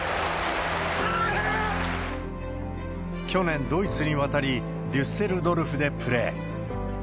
去年、ドイツに渡り、デュッセルドルフでプレー。